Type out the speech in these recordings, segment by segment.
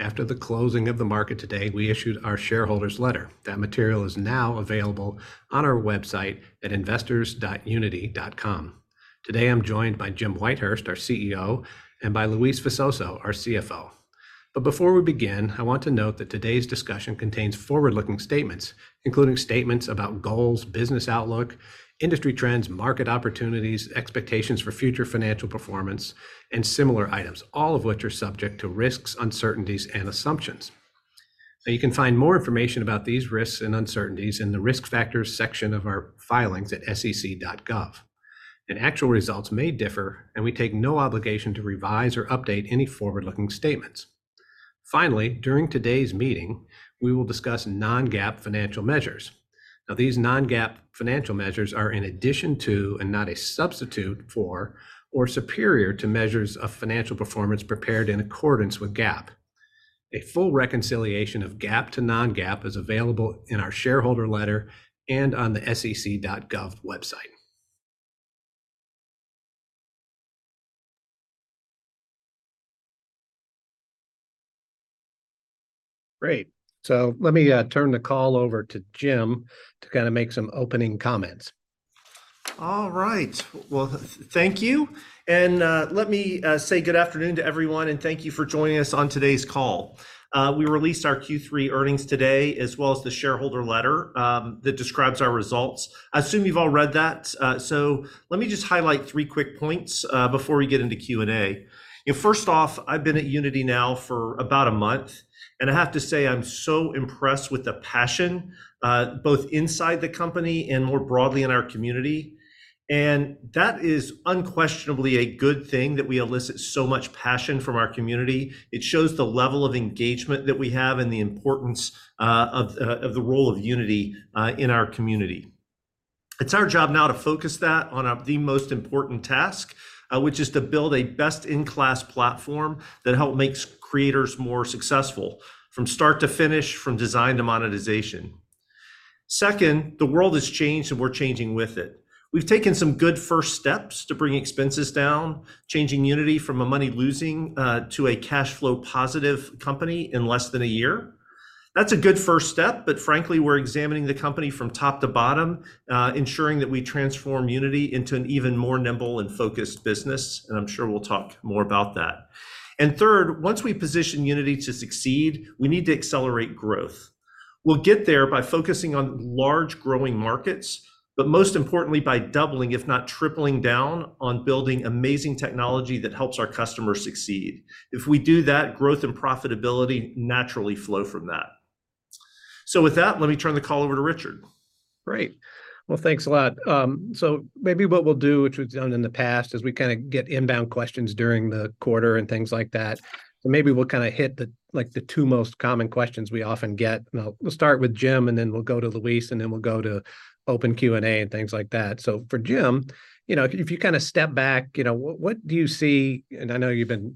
After the closing of the market today, we issued our shareholders' letter. That material is now available on our website at investors.unity.com. Today, I'm joined by Jim Whitehurst, our CEO, and by Luis Visoso, our CFO. But before we begin, I want to note that today's discussion contains forward-looking statements, including statements about goals, business outlook, industry trends, market opportunities, expectations for future financial performance, and similar items, all of which are subject to risks, uncertainties, and assumptions. Now, you can find more information about these risks and uncertainties in the Risk Factors section of our filings at sec.gov, and actual results may differ, and we take no obligation to revise or update any forward-looking statements. Finally, during today's meeting, we will discuss non-GAAP financial measures. Now, these non-GAAP financial measures are in addition to and not a substitute for or superior to measures of financial performance prepared in accordance with GAAP. A full reconciliation of GAAP to non-GAAP is available in our shareholder letter and on the SEC.gov website. Great, so let me turn the call over to Jim to kind of make some opening comments. All right. Well, thank you, and let me say good afternoon to everyone, and thank you for joining us on today's call. We released our Q3 earnings today, as well as the shareholder letter that describes our results. I assume you've all read that, so let me just highlight three quick points before we get into Q&A. You know, first off, I've been at Unity now for about a month, and I have to say, I'm so impressed with the passion both inside the company and more broadly in our community, and that is unquestionably a good thing, that we elicit so much passion from our community. It shows the level of engagement that we have and the importance of the role of Unity in our community. It's our job now to focus that on, the most important task, which is to build a best-in-class platform that help makes creators more successful, from start to finish, from design to monetization. Second, the world has changed, and we're changing with it. We've taken some good first steps to bring expenses down, changing Unity from a money-losing, to a cash-flow-positive company in less than a year. That's a good first step, but frankly, we're examining the company from top to bottom, ensuring that we transform Unity into an even more nimble and focused business, and I'm sure we'll talk more about that. And third, once we position Unity to succeed, we need to accelerate growth. We'll get there by focusing on large, growing markets, but most importantly, by doubling, if not tripling down, on building amazing technology that helps our customers succeed. If we do that, growth and profitability naturally flow from that. So with that, let me turn the call over to Richard. Great. Well, thanks a lot. So maybe what we'll do, which we've done in the past, as we kind of get inbound questions during the quarter and things like that, so maybe we'll kind of hit like, the two most common questions we often get. Now, we'll start with Jim, and then we'll go to Luis, and then we'll go to open Q&A and things like that. So for Jim, you know, if you kind of step back, you know, what, what do you see. And I know you've been,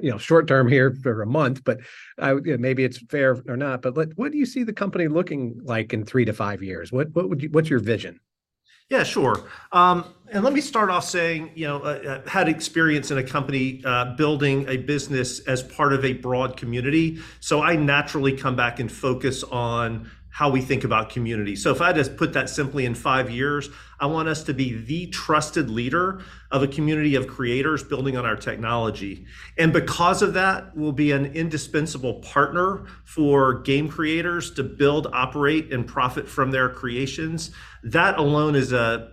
you know, short-term here for a month, but, you know, maybe it's fair or not, but what, what do you see the company looking like in three-four years? What, what would you what's your vision? Yeah, sure. And let me start off saying, you know, had experience in a company, building a business as part of a broad community, so I naturally come back and focus on how we think about community. So if I just put that simply, in five years, I want us to be the trusted leader of a community of creators building on our technology, and because of that, we'll be an indispensable partner for game creators to build, operate, and profit from their creations. That alone is a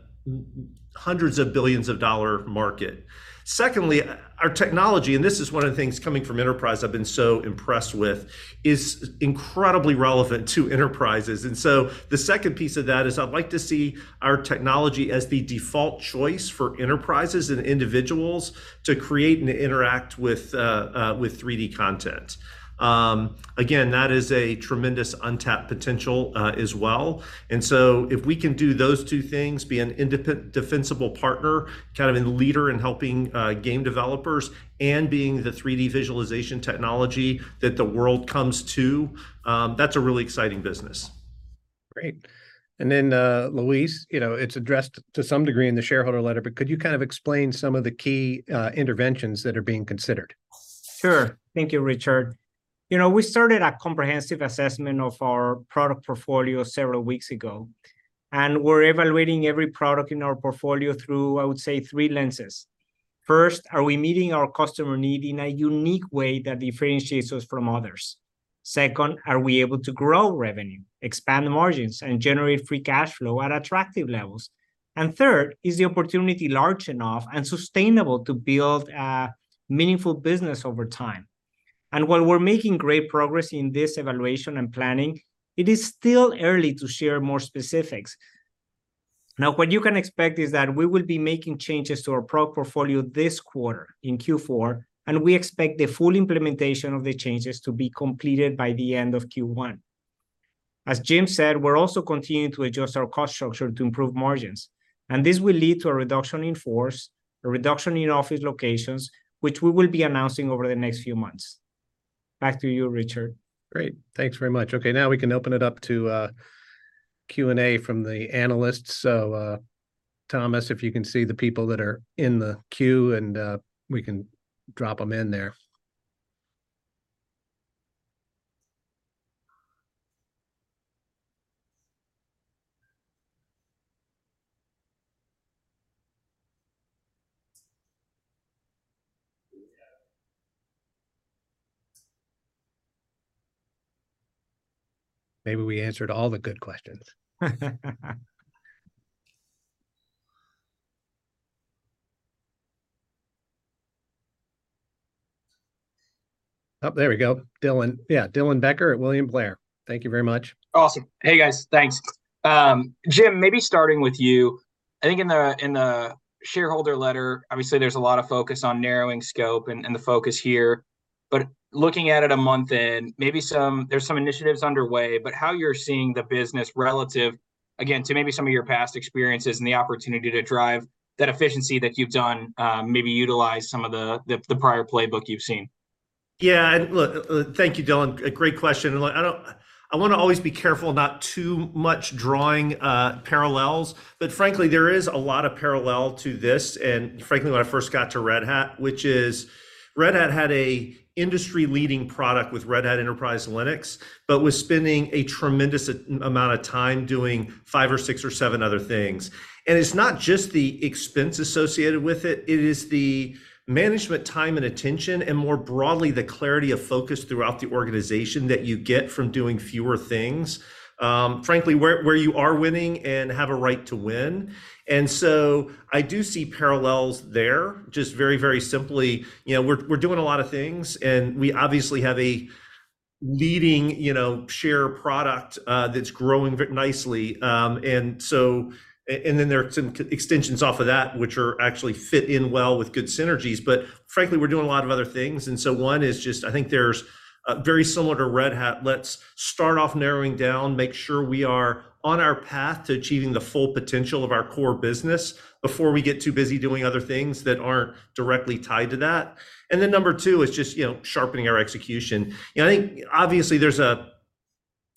hundreds of billions dollars market. Secondly, our technology, and this is one of the things, coming from enterprise, I've been so impressed with, is incredibly relevant to enterprises, and so the second piece of that is I'd like to see our technology as the default choice for enterprises and individuals to create and interact with 3D content. Again, that is a tremendous untapped potential as well, and so if we can do those two things, be an indispensable partner, kind of a leader in helping game developers, and being the 3D visualization technology that the world comes to, that's a really exciting business. Great. And then, Luis, you know, it's addressed to some degree in the shareholder letter, but could you kind of explain some of the key interventions that are being considered? Sure. Thank you, Richard. You know, we started a comprehensive assessment of our product portfolio several weeks ago, and we're evaluating every product in our portfolio through, I would say, three lenses. First, are we meeting our customer need in a unique way that differentiates us from others? Second, are we able to grow revenue, expand the margins, and generate free cash flow at attractive levels? And third, is the opportunity large enough and sustainable to build a meaningful business over time? And while we're making great progress in this evaluation and planning, it is still early to share more specifics. Now, what you can expect is that we will be making changes to our product portfolio this quarter, in Q4, and we expect the full implementation of the changes to be completed by the end of Q1. As Jim said, we're also continuing to adjust our cost structure to improve margins, and this will lead to a reduction in force, a reduction in office locations, which we will be announcing over the next few months. Back to you, Richard. Great. Thanks very much. Okay, now we can open it up to Q&A from the analysts, so Thomas, if you can see the people that are in the queue, and we can drop them in there. Maybe we answered all the good questions. Oh, there we go. Dylan. Yeah, Dylan Becker at William Blair. Thank you very much. Awesome. Hey, guys. Thanks. Jim, maybe starting with you, I think in the shareholder letter, obviously there's a lot of focus on narrowing scope and the focus here, but looking at it a month in, maybe there's some initiatives underway, but how you're seeing the business relative, again, to maybe some of your past experiences and the opportunity to drive that efficiency that you've done, maybe utilize some of the prior playbook you've seen? Yeah, look, thank you, Dylan. A great question. And look, I don't-- I want to always be careful not too much drawing parallels, but frankly, there is a lot of parallel to this, and frankly, when I first got to Red Hat, which had an industry-leading product with Red Hat Enterprise Linux, but was spending a tremendous amount of time doing five or six or seven other things. And it's not just the expense associated with it, it is the management time and attention, and more broadly, the clarity of focus throughout the organization that you get from doing fewer things, frankly, where you are winning and have a right to win. And so I do see parallels there, just very, very simply. You know, we're doing a lot of things, and we obviously have a leading core product, you know, that's growing very nicely. And then there are some core extensions off of that which actually fit in well with good synergies, but frankly, we're doing a lot of other things, and so one is just, I think there's very similar to Red Hat. Let's start off narrowing down, make sure we are on our path to achieving the full potential of our core business before we get too busy doing other things that aren't directly tied to that. And then number two is just, you know, sharpening our execution. You know, I think obviously there's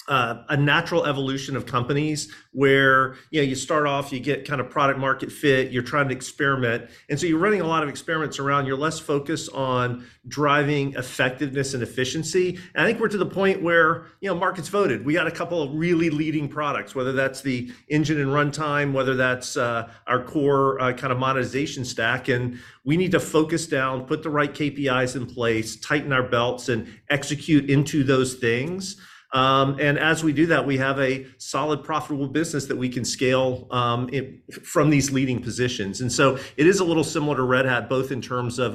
a natural evolution of companies where, you know, you start off, you get kind of product market fit, you're trying to experiment, and so you're running a lot of experiments around. You're less focused on driving effectiveness and efficiency. And I think we're to the point where, you know, market's voted. We got a couple of really leading products, whether that's the engine and runtime, whether that's our core kind of monetization stack, and we need to focus down, put the right KPIs in place, tighten our belts, and execute into those things. And as we do that, we have a solid, profitable business that we can scale it from these leading positions. And so it is a little similar to Red Hat, both in terms of,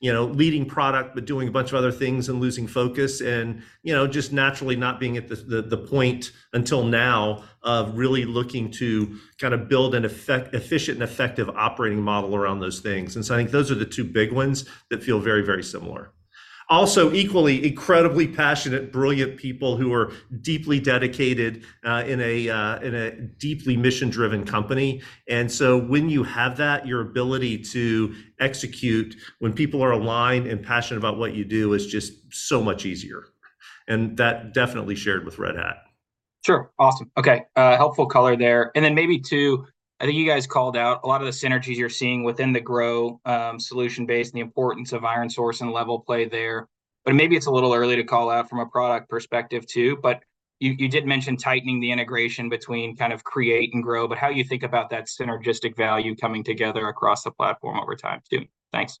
you know, leading product, but doing a bunch of other things and losing focus and, you know, just naturally not being at the point, until now, of really looking to kind of build an effective and efficient operating model around those things. And so I think those are the two big ones that feel very, very similar. Also, equally incredibly passionate, brilliant people who are deeply dedicated, in a deeply mission-driven company. And so when you have that, your ability to execute when people are aligned and passionate about what you do is just so much easier, and that definitely shared with Red Hat. Sure. Awesome. Okay, helpful color there. And then maybe, too, I think you guys called out a lot of the synergies you're seeing within the Grow solution base and the importance of ironSource and LevelPlay there, but maybe it's a little early to call out from a product perspective, too. But you, you did mention tightening the integration between kind of Create and Grow, but how you think about that synergistic value coming together across the platform over time, too? Thanks.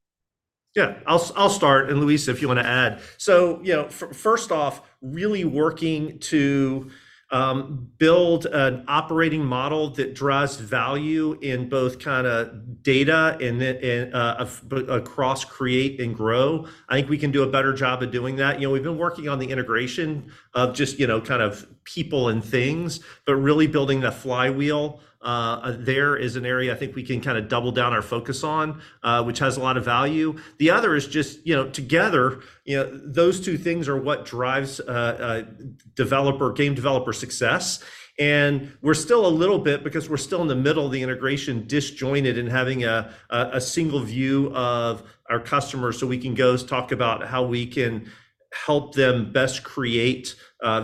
Yeah. I'll start, and Luis, if you want to add. So, you know, first off, really working to build an operating model that drives value in both kind of data and then and but across Create and Grow. I think we can do a better job of doing that. You know, we've been working on the integration of just, you know, kind of people and things, but really building the flywheel, there is an area I think we can kind of double down our focus on, which has a lot of value. The other is just, you know, together, you know, those two things are what drives developer-game developer success, and we're still a little bit, because we're still in the middle of the integration, disjointed in having a single view of our customers, so we can go talk about how we can help them best create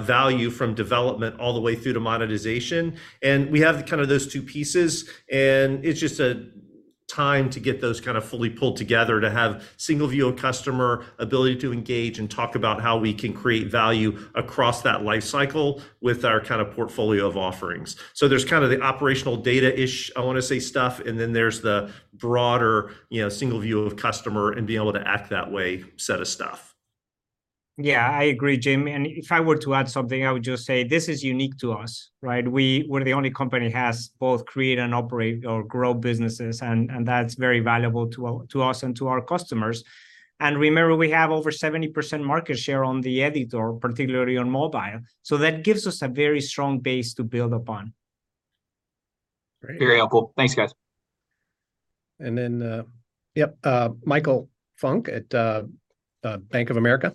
value from development all the way through to monetization. And we have kind of those two pieces, and it's just a time to get those kind of fully pulled together, to have single view of customer, ability to engage and talk about how we can create value across that life cycle with our kind of portfolio of offerings. So there's kind of the operational data-ish, I want to say, stuff, and then there's the broader, you know, single view of customer and being able to act that way set of stuff. Yeah, I agree, Jim. And if I were to add something, I would just say this is unique to us, right? We're the only company that has both Create and Operate or Grow businesses, and that's very valuable to us and to our customers. And remember, we have over 70% market share on the editor, particularly on mobile, so that gives us a very strong base to build upon. Great. Very helpful. Thanks, guys. And then, yep, Michael Funk at Bank of America.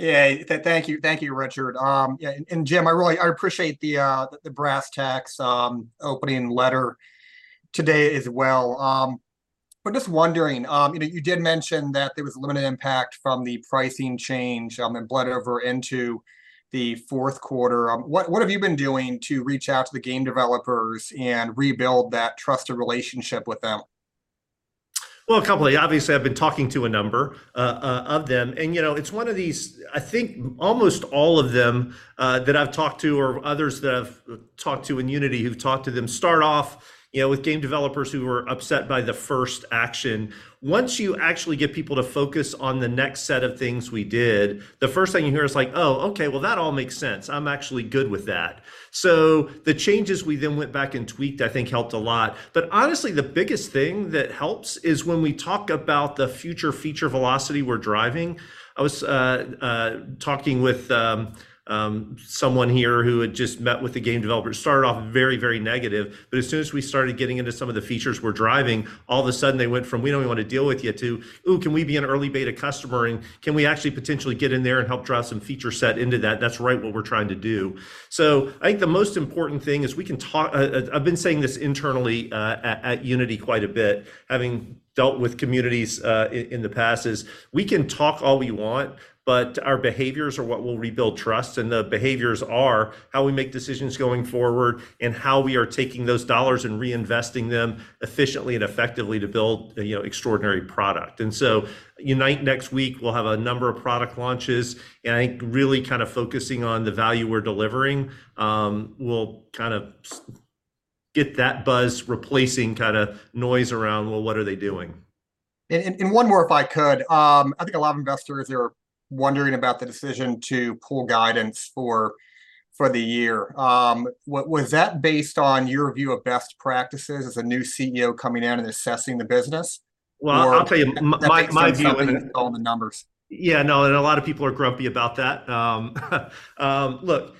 Yeah, thank you. Thank you, Richard. Yeah, and, and Jim, I really, I appreciate the brass tacks opening letter today as well. But just wondering, you know, you did mention that there was limited impact from the pricing change, and bled over into the fourth quarter. What have you been doing to reach out to the game developers and rebuild that trusted relationship with them? Well, a couple of things. Obviously, I've been talking to a number of them, and, you know, it's one of these. I think almost all of them that I've talked to or others that I've talked to in Unity who've talked to them start off, you know, with game developers who were upset by the first action. Once you actually get people to focus on the next set of things we did, the first thing you hear is like, "Oh, okay, well, that all makes sense. I'm actually good with that." So the changes we then went back and tweaked, I think helped a lot. But honestly, the biggest thing that helps is when we talk about the future feature velocity we're driving. I was talking with someone here who had just met with a game developer. It started off very, very negative, but as soon as we started getting into some of the features we're driving, all of a sudden, they went from, "We don't even want to deal with you," to, "Ooh, can we be an early beta customer, and can we actually potentially get in there and help drive some feature set into that? That's right, what we're trying to do." So I think the most important thing is we can talk. I've been saying this internally at Unity quite a bit, having dealt with communities in the past, is we can talk all we want, but our behaviors are what will rebuild trust, and the behaviors are how we make decisions going forward and how we are taking those dollars and reinvesting them efficiently and effectively to build, you know, extraordinary product. And so Unite next week, we'll have a number of product launches, and I think really kind of focusing on the value we're delivering, will kind of get that buzz replacing kind of noise around, "Well, what are they doing? One more, if I could. I think a lot of investors are wondering about the decision to pull guidance for the year. Was that based on your view of best practices as a new CEO coming in and assessing the business? Well, I'll tell you, my view-- All the numbers. Yeah, no, and a lot of people are grumpy about that. Look,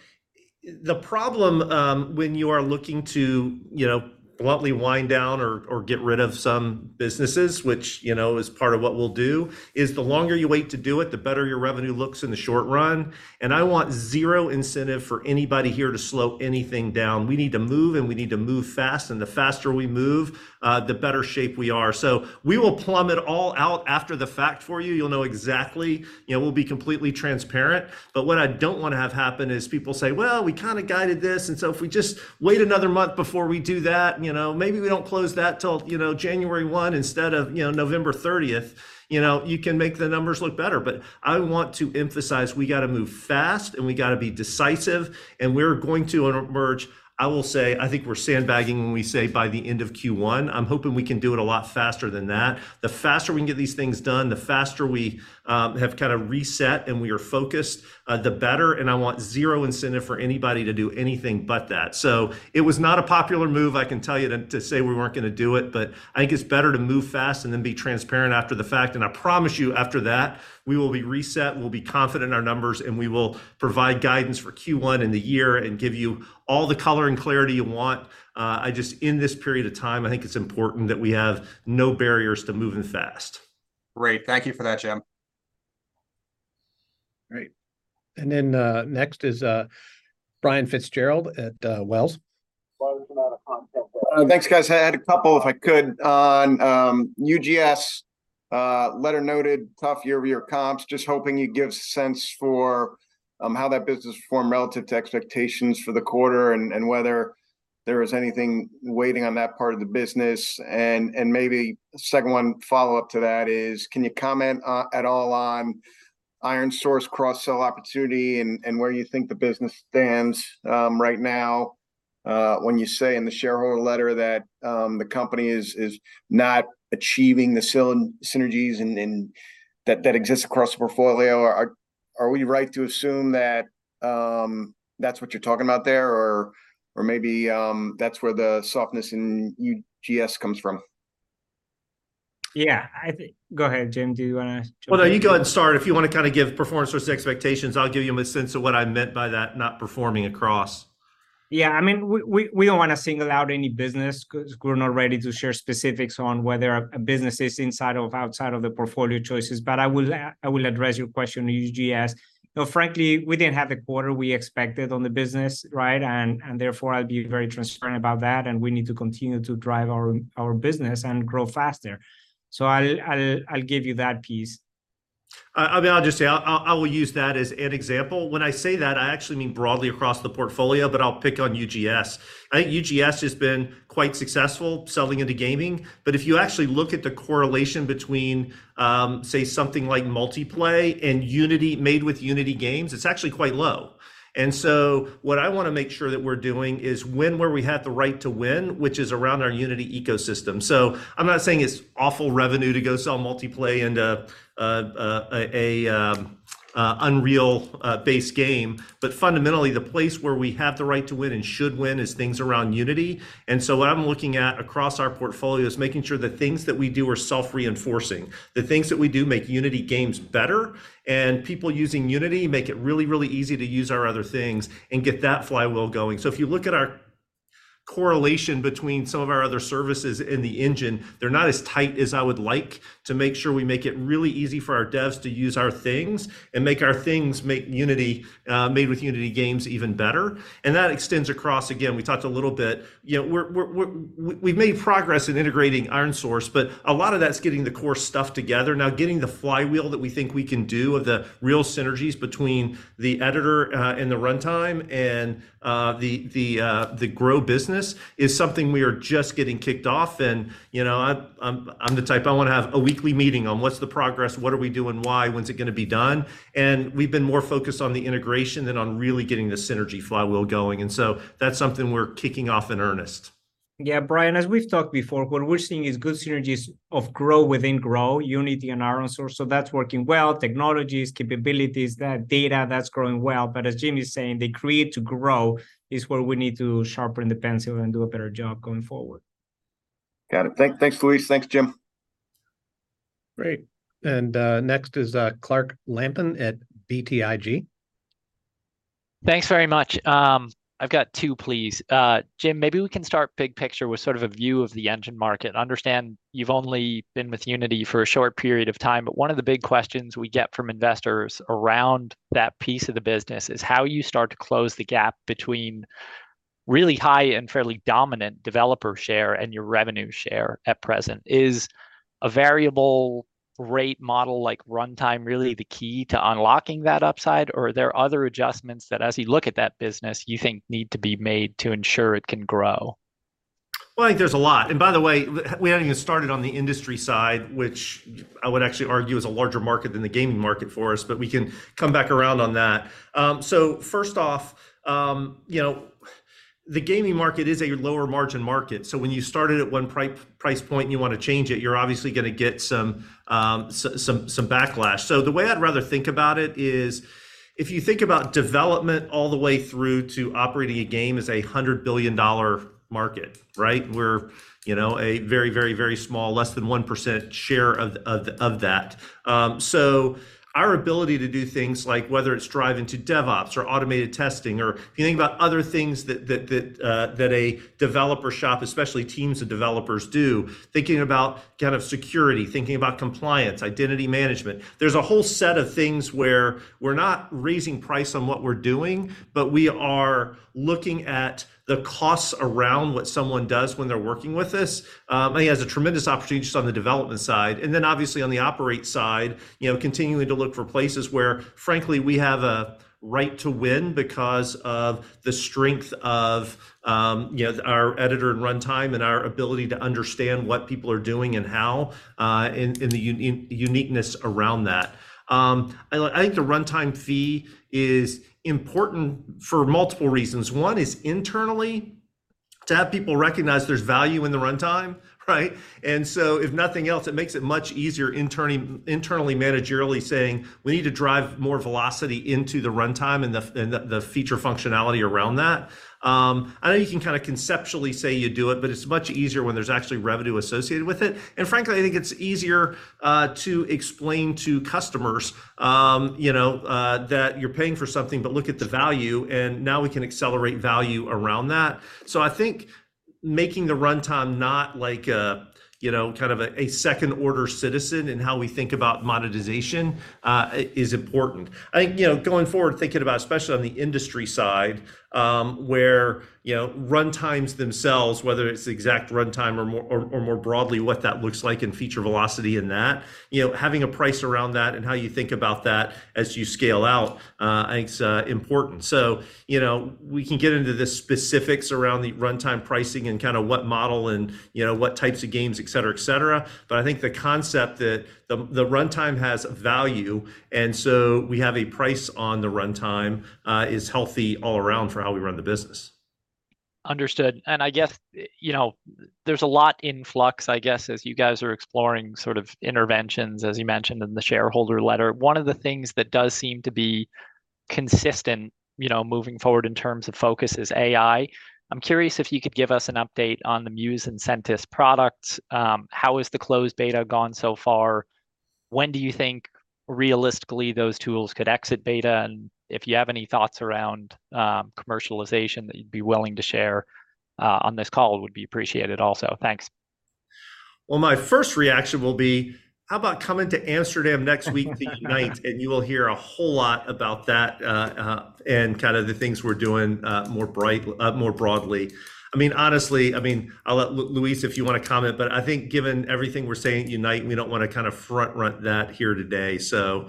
the problem, when you are looking to, you know, bluntly wind down or get rid of some businesses, which, you know, is part of what we'll do, is the longer you wait to do it, the better your revenue looks in the short run, and I want zero incentive for anybody here to slow anything down. We need to move, and we need to move fast, and the faster we move, the better shape we are. So we will plumb it all out after the fact for you. You'll know exactly-- You know, we'll be completely transparent. But what I don't want to have happen is people say, "Well, we kind of guided this, and so if we just wait another month before we do that, you know, maybe we don't close that till, you know, January 1 instead of, you know, November 30th." You know, you can make the numbers look better, but I want to emphasize, we got to move fast, and we got to be decisive, and we're going to emerge. I will say, I think we're sandbagging when we say by the end of Q1. I'm hoping we can do it a lot faster than that. The faster we can get these things done, the faster we have kind of reset and we are focused, the better, and I want zero incentive for anybody to do anything but that. So it was not a popular move, I can tell you, to say we weren't going to do it, but I think it's better to move fast and then be transparent after the fact. And I promise you, after that, we will be reset, we'll be confident in our numbers, and we will provide guidance for Q1 and the year and give you all the color and clarity you want. I just, in this period of time, I think it's important that we have no barriers to moving fast. Great. Thank you for that, Jim. Great. And then, next is, Brian Fitzgerald at, Wells. Thanks, guys. I had a couple, if I could. On UGS, letter noted, tough year-over-year comps. Just hoping you'd give sense for how that business performed relative to expectations for the quarter and whether there is anything weighting on that part of the business. And maybe second one follow-up to that is, can you comment at all on ironSource cross-sell opportunity and where you think the business stands right now? When you say in the shareholder letter that the company is not achieving the synergies and that exists across the portfolio, are we right to assume that that's what you're talking about there or maybe that's where the softness in UGS comes from? Yeah, I think-- Go ahead, Jim, do you want to? Well, no, you go ahead and start. If you want to kind of give performance versus expectations, I'll give you a sense of what I meant by that, not performing across. Yeah, I mean, we don't want to single out any business because we're not ready to share specifics on whether a business is inside of, outside of the portfolio choices. But I will address your question on UGS. No, frankly, we didn't have the quarter we expected on the business, right? And therefore, I'll be very transparent about that, and we need to continue to drive our business and grow faster. So I'll give you that piece. I mean, I'll just say, I will use that as an example. When I say that, I actually mean broadly across the portfolio, but I'll pick on UGS. I think UGS has been quite successful selling into gaming, but if you actually look at the correlation between, say, something like Multiplay and Unity-made games, it's actually quite low. And so what I want to make sure that we're doing is win where we have the right to win, which is around our Unity ecosystem. So I'm not saying it's awful revenue to go sell Multiplay into an Unreal-based game, but fundamentally, the place where we have the right to win and should win is things around Unity. What I'm looking at across our portfolio is making sure the things that we do are self-reinforcing, the things that we do make Unity games better, and people using Unity make it really, really easy to use our other things and get that flywheel going. So if you look at our correlation between some of our other services and the engine, they're not as tight as I would like to make sure we make it really easy for our devs to use our things, and make our things make Unity, made with Unity games even better. And that extends across, again, we talked a little bit, you know, we've made progress in integrating ironSource, but a lot of that's getting the core stuff together. Now, getting the flywheel that we think we can do of the real synergies between the Editor and the Runtime, and the Grow business, is something we are just getting kicked off. And, you know, I'm the type, I wanna have a weekly meeting on what's the progress, what are we doing, why, when's it gonna be done? And we've been more focused on the integration than on really getting the synergy flywheel going. And so that's something we're kicking off in earnest. Yeah, Brian, as we've talked before, what we're seeing is good synergies of Grow within Grow, Unity and ironSource, so that's working well. Technologies, capabilities, that data, that's growing well, but as Jim is saying, the Create to Grow is where we need to sharpen the pencil and do a better job going forward. Got it. Thanks, Luis. Thanks, Jim. Great, and next is Clark Lampen at BTIG. Thanks very much. I've got two, please. Jim, maybe we can start big picture with sort of a view of the engine market. Understand you've only been with Unity for a short period of time, but one of the big questions we get from investors around that piece of the business is how you start to close the gap between really high and fairly dominant developer share and your revenue share at present. Is a variable rate model like Runtime really the key to unlocking that upside, or are there other adjustments that, as you look at that business, you think need to be made to ensure it can grow? Well, I think there's a lot. And by the way, we haven't even started on the industry side, which I would actually argue is a larger market than the gaming market for us, but we can come back around on that. So first off, you know, the gaming market is a lower margin market. So when you started at one price, price point and you want to change it, you're obviously gonna get some backlash. So the way I'd rather think about it is, if you think about development all the way through to operating a game is a $100 billion market, right? We're, you know, a very, very, very small, less than 1% share of that. So our ability to do things like whether it's driving to DevOps or automated testing or if you think about other things that a developer shop, especially teams of developers do, thinking about kind of security, thinking about compliance, identity management. There's a whole set of things where we're not raising price on what we're doing, but we are looking at the costs around what someone does when they're working with us. I think has a tremendous opportunity just on the development side, and then obviously on the operate side, you know, continuing to look for places where, frankly, we have a right to win because of the strength of, you know, our Editor and Runtime and our ability to understand what people are doing and how, and the uniqueness around that. I think the runtime fee is important for multiple reasons. One is internally, to have people recognize there's value in the runtime, right? And so, if nothing else, it makes it much easier internally managerially saying, "We need to drive more velocity into the runtime and the feature functionality around that." I know you can kind of conceptually say you do it, but it's much easier when there's actually revenue associated with it. And frankly, I think it's easier to explain to customers, you know, that you're paying for something, but look at the value, and now we can accelerate value around that. So I think making the runtime not like a, you know, kind of a second-order citizen in how we think about monetization is important. I think, you know, going forward, thinking about especially on the industry side, where, you know, runtimes themselves, whether it's the exact runtime or more, or, or more broadly, what that looks like in feature velocity in that, you know, having a price around that and how you think about that as you scale out, I think is important. So, you know, we can get into the specifics around the runtime pricing and kind of what model and, you know, what types of games, et cetera, et cetera, but I think the concept that the, the runtime has value, and so we have a price on the runtime, is healthy all around for how we run the business. Understood. And I guess, you know, there's a lot in flux, I guess, as you guys are exploring sort of interventions, as you mentioned in the shareholder letter. One of the things that does seem to be consistent, you know, moving forward in terms of focus is AI. I'm curious if you could give us an update on the Muse and Sentis products. How has the closed beta gone so far? When do you think, realistically, those tools could exit beta? And if you have any thoughts around commercialization that you'd be willing to share on this call, would be appreciated also. Thanks. Well, my first reaction will be, how about coming to Amsterdam next week to Unite? And you will hear a whole lot about that, and kind of the things we're doing more broadly. I mean, honestly, I mean, I'll let Luis, if you want to comment, but I think given everything we're saying at Unite, we don't want to kind of front-run that here today. So,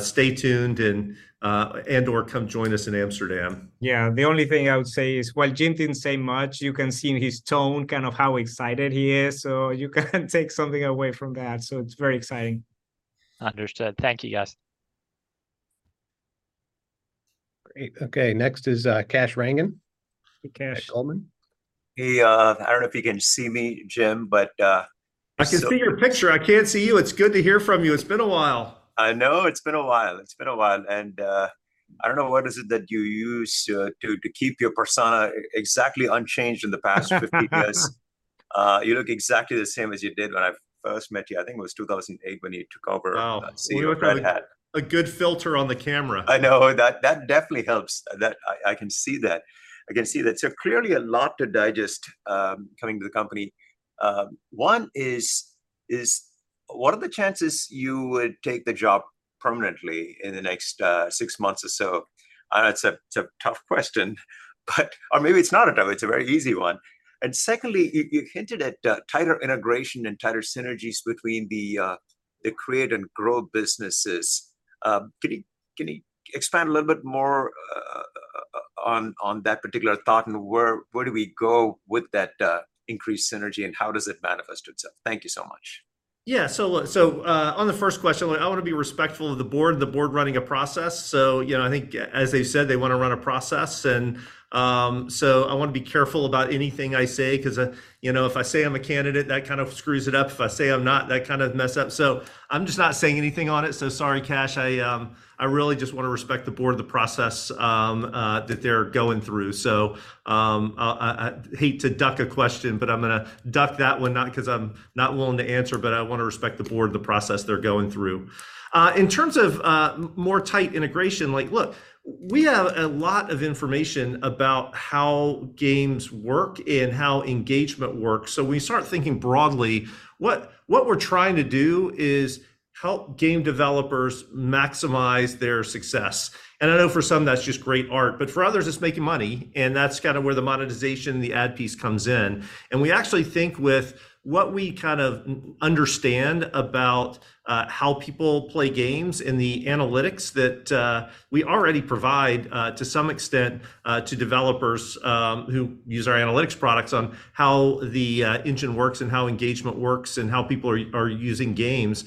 stay tuned and, and/or come join us in Amsterdam. Yeah, the only thing I would say is, while Jim didn't say much, you can see in his tone kind of how excited he is, so you can take something away from that. So it's very exciting. Understood. Thank you, guys. Great. Okay, next is, Kash Rangan. Hey, Kash. At Goldman. Hey, I don't know if you can see me, Jim, but-- I can see your picture. I can't see you. It's good to hear from you. It's been a while. I know, it's been a while. It's been a while, and, I don't know what is it that you use to keep your persona exactly unchanged in the past 50 years? You look exactly the same as you did when I first met you. I think it was 2008 when you took over at CEO Red Hat. A good filter on the camera. I know that definitely helps. That I can see that. I can see that. So clearly a lot to digest coming to the company. One is, what are the chances you would take the job permanently in the next six months or so? It's a tough question, but-- or maybe it's not a tough, it's a very easy one. And secondly, you hinted at tighter integration and tighter synergies between the create and grow businesses. Can you expand a little bit more on that particular thought? And where do we go with that increased synergy, and how does it manifest itself? Thank you so much. Yeah. So, look, on the first question, I wanna be respectful of the board, and the board running a process. So, you know, I think as they said, they wanna run a process. And, so I wanna be careful about anything I say, 'cause, you know, if I say I'm a candidate, that kind of screws it up. If I say I'm not, that kind of mess up. So I'm just not saying anything on it. So sorry, Kash, I really just wanna respect the board and the process that they're going through. So, I hate to duck a question, but I'm gonna duck that one, not 'cause I'm not willing to answer, but I wanna respect the board and the process they're going through. In terms of more tight integration, like, look, we have a lot of information about how games work and how engagement works. So when you start thinking broadly, what we're trying to do is help game developers maximize their success. And I know for some that's just great art, but for others, it's making money, and that's kind of where the monetization and the ad piece comes in. And we actually think with what we kind of understand about how people play games and the analytics that we already provide to some extent to developers who use our analytics products on how the engine works and how engagement works and how people are using games.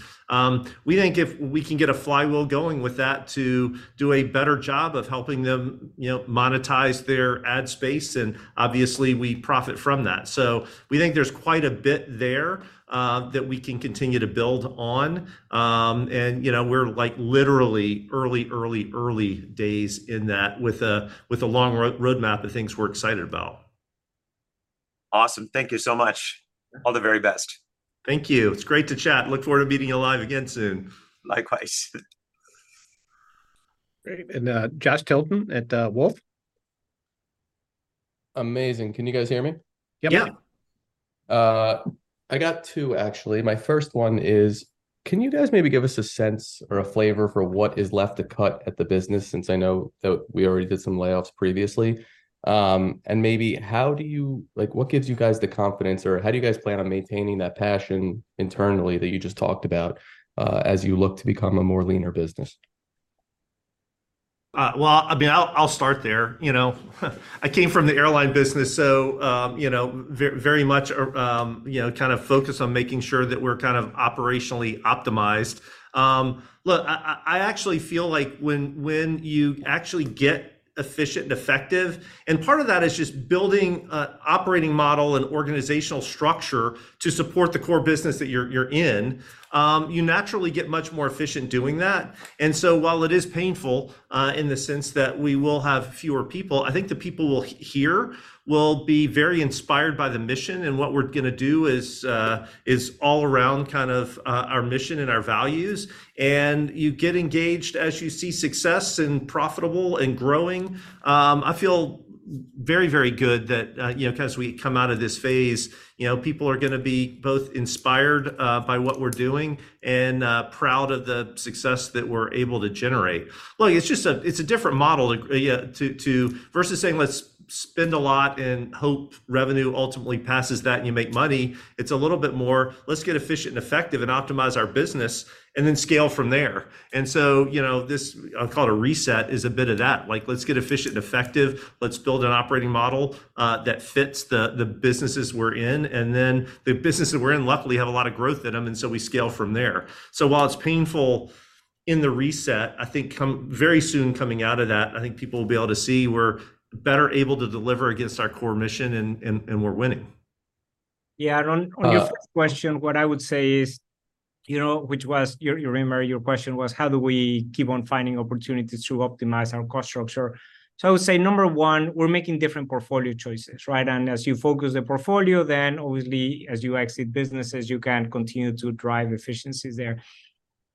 We think if we can get a flywheel going with that to do a better job of helping them, you know, monetize their ad space, and obviously, we profit from that. So we think there's quite a bit there that we can continue to build on. And, you know, we're, like, literally early, early, early days in that with a, with a long roadmap of things we're excited about. Awesome. Thank you so much. All the very best. Thank you. It's great to chat. Look forward to meeting you live again soon. Likewise. Great, and, Josh Tilton at, Wolfe? Amazing. Can you guys hear me? Yep. I got two, actually. My first one is, can you guys maybe give us a sense or a flavor for what is left to cut at the business, since I know that we already did some layoffs previously? And maybe how do you like, what gives you guys the confidence, or how do you guys plan on maintaining that passion internally that you just talked about, as you look to become a more leaner business? Well, I mean, I'll start there. You know, I came from the airline business, so you know, very much you know, kind of focused on making sure that we're kind of operationally optimized. Look, I actually feel like when you actually get efficient and effective, and part of that is just building an operating model and organizational structure to support the core business that you're in, you naturally get much more efficient doing that. And so while it is painful in the sense that we will have fewer people, I think the people here will be very inspired by the mission, and what we're gonna do is all around kind of our mission and our values. And you get engaged as you see success and profitable and growing. I feel very, very good that, you know, as we come out of this phase, you know, people are gonna be both inspired by what we're doing and proud of the success that we're able to generate. Look, it's just a different model versus saying, "Let's spend a lot and hope revenue ultimately passes that, and you make money," it's a little bit more, "Let's get efficient and effective and optimize our business, and then scale from there." And so, you know, this, I'll call it a reset, is a bit of that. Like, let's get efficient and effective. Let's build an operating model that fits the businesses we're in. And then the businesses we're in luckily have a lot of growth in them, and so we scale from there. So while it's painful in the reset, I think very soon coming out of that, I think people will be able to see we're better able to deliver against our core mission and we're winning. Yeah, on your first question, what I would say is, you know, which was, you remember your question was: how do we keep on finding opportunities to optimize our cost structure? So I would say, number one, we're making different portfolio choices, right? And as you focus the portfolio, then obviously, as you exit businesses, you can continue to drive efficiencies there.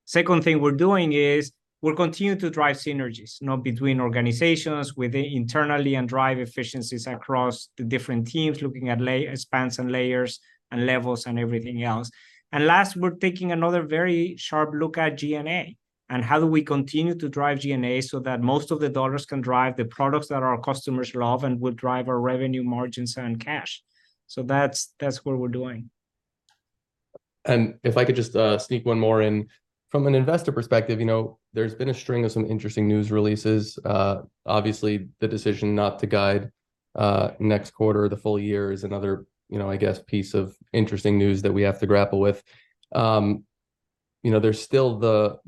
Second thing we're doing is we're continuing to drive synergies, you know, between organizations, within internally, and drive efficiencies across the different teams, looking at layers, spans and layers and levels and everything else. And last, we're taking another very sharp look at G&A, and how do we continue to drive G&A so that most of the dollars can drive the products that our customers love and will drive our revenue margins and cash. So that's, that's what we're doing. If I could just sneak one more in. From an investor perspective, you know, there's been a string of some interesting news releases. Obviously, the decision not to guide next quarter or the full year is another, you know, I guess, piece of interesting news that we have to grapple with. You know, there's still the--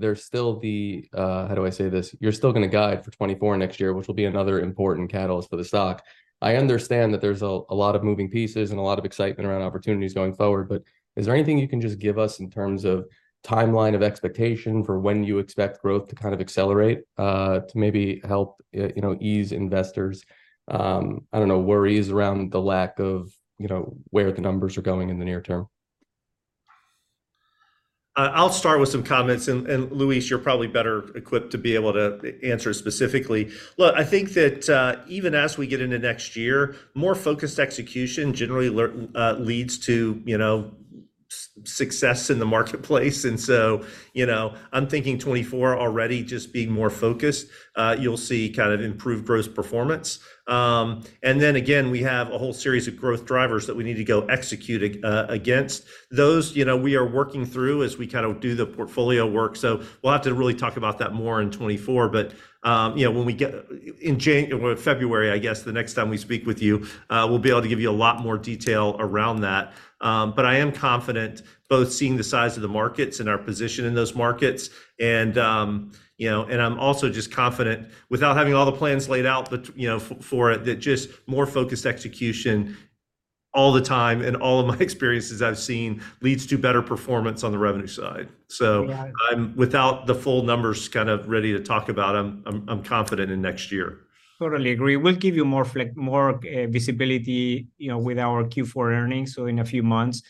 how do I say this? You're still gonna guide for 2024 next year, which will be another important catalyst for the stock. I understand that there's a lot of moving pieces and a lot of excitement around opportunities going forward, but is there anything you can just give us in terms of timeline of expectation for when you expect growth to kind of accelerate, to maybe help, you know, ease investors', I don't know, worries around the lack of, you know, where the numbers are going in the near term? I'll start with some comments, and Luis, you're probably better equipped to be able to answer specifically. Look, I think that even as we get into next year, more focused execution generally leads to, you know, success in the marketplace. And so, you know, I'm thinking 2024 already just being more focused, you'll see kind of improved gross performance. And then again, we have a whole series of growth drivers that we need to go execute against. Those, you know, we are working through as we kind of do the portfolio work, so we'll have to really talk about that more in 2024. But, you know, when we get in January, well, in February, I guess, the next time we speak with you, we'll be able to give you a lot more detail around that. But I am confident both seeing the size of the markets and our position in those markets, and, you know, and I'm also just confident, without having all the plans laid out, but, you know, for it, that just more focused execution all the time and all of my experiences I've seen, leads to better performance on the revenue side. So I'm, without the full numbers, kind of ready to talk about them. I'm confident in next year. Totally agree. We'll give you more flex- more visibility, you know, with our Q4 earnings, so in a few months.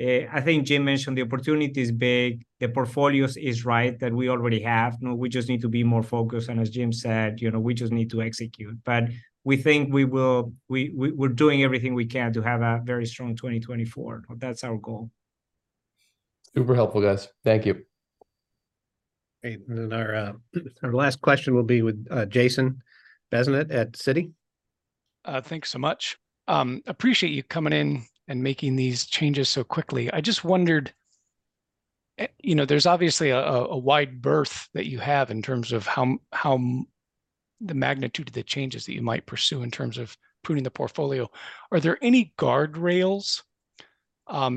I think Jim mentioned the opportunity is big, the portfolios is right that we already have, now we just need to be more focused, and as Jim said, you know, we just need to execute. But we think we will- we're doing everything we can to have a very strong 2024. That's our goal. Super helpful, guys. Thank you. Great. And then our last question will be with Jason Bazinet at Citi. Thanks so much. Appreciate you coming in and making these changes so quickly. I just wondered, you know, there's obviously a wide berth that you have in terms of how the magnitude of the changes that you might pursue in terms of pruning the portfolio. Are there any guardrails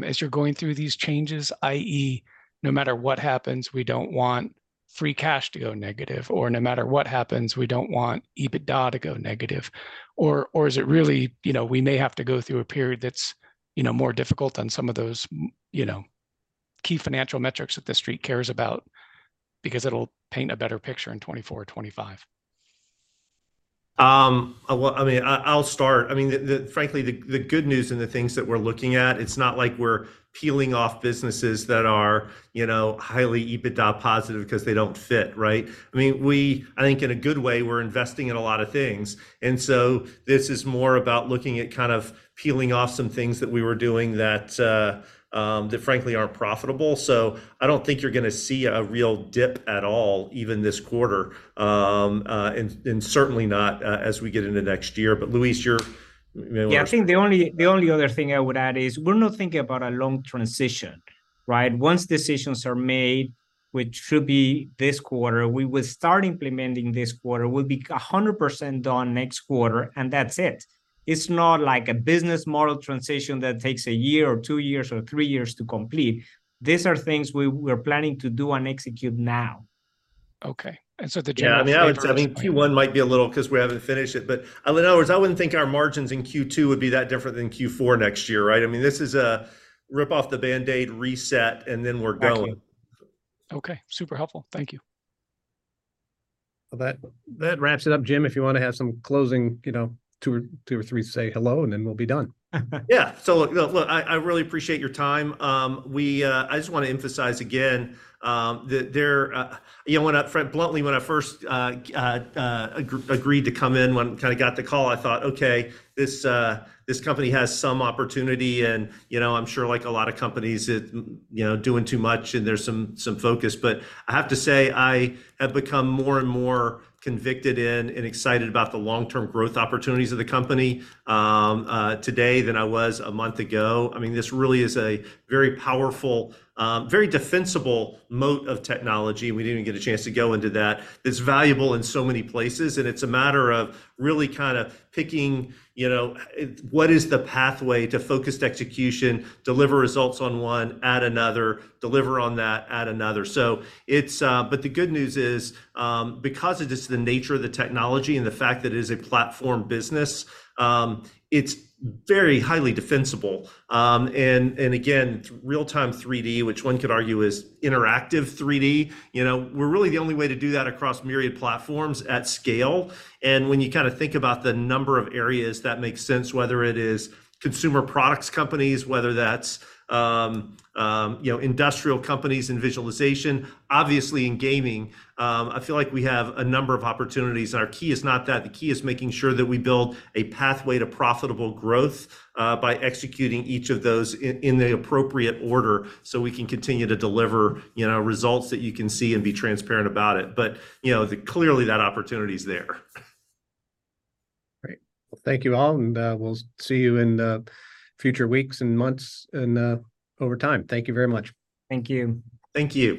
as you're going through these changes, i.e., no matter what happens, we don't want free cash to go negative, or no matter what happens, we don't want EBITDA to go negative? Or is it really, you know, we may have to go through a period that's, you know, more difficult on some of those key financial metrics that the Street cares about, because it'll paint a better picture in 2024, 2025? Well, I mean, I'll start. I mean, frankly, the good news in the things that we're looking at, it's not like we're peeling off businesses that are, you know, highly EBITDA positive because they don't fit, right? I mean, we, I think in a good way, we're investing in a lot of things, and so this is more about looking at kind of peeling off some things that we were doing that frankly aren't profitable. So I don't think you're gonna see a real dip at all, even this quarter, and certainly not as we get into next year. But Luis, you're, you know-- Yeah, I think the only other thing I would add is we're not thinking about a long transition, right? Once decisions are made, which should be this quarter, we will start implementing this quarter. We'll be 100% done next quarter, and that's it. It's not like a business model transition that takes a year or two years or three years to complete. These are things we're planning to do and execute now. Okay, and so the general-- Yeah, I mean, Q1 might be a little, 'cause we haven't finished it, but, in other words, I wouldn't think our margins in Q2 would be that different than Q4 next year, right? I mean, this is a rip off the Band-Aid, reset, and then we're going. Okay, super helpful. Thank you. Well, that wraps it up. Jim, if you wanna have some closing, you know, two or three to say hello, and then we'll be done. Yeah. So look, I really appreciate your time. I just want to emphasize again, that there, you know, when I, frankly, bluntly, when I first, agreed to come in, when I kind of got the call, I thought, "Okay, this company has some opportunity," and, you know, I'm sure like a lot of companies, it, you know, doing too much, and there's some focus. But I have to say, I have become more and more convicted in and excited about the long-term growth opportunities of the company, today than I was a month ago. I mean, this really is a very powerful, very defensible moat of technology. We didn't even get a chance to go into that. That's valuable in so many places, and it's a matter of really kind of picking, you know, what is the pathway to focused execution, deliver results on one, add another, deliver on that, add another. So it's, but the good news is, because of just the nature of the technology and the fact that it is a platform business, it's very highly defensible. And again, real-time 3D, which one could argue is interactive 3D, you know, we're really the only way to do that across myriad platforms at scale. And when you kind of think about the number of areas, that makes sense, whether it is consumer products companies, whether that's, you know, industrial companies and visualization. Obviously, in gaming, I feel like we have a number of opportunities, and our key is not that. The key is making sure that we build a pathway to profitable growth, by executing each of those in the appropriate order, so we can continue to deliver, you know, results that you can see and be transparent about it. But, you know, clearly, that opportunity is there. Great. Thank you all, and we'll see you in the future weeks and months and over time. Thank you very much. Thank you. Thank you.